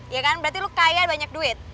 ya kan berarti lu kaya banyak duit